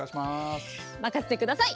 任せてください。